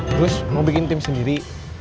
terus mau bikin tim sendiri